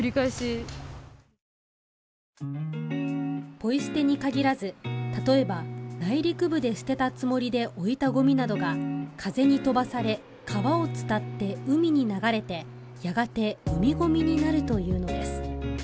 ポイ捨てに限らず、例えば内陸部で捨てたつもりで置いたゴミなどが風に飛ばされ、川を伝って海に流れて、やがて海ゴミになるというのです。